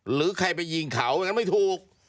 หรือใครไปยิงเขายังไม่ถูก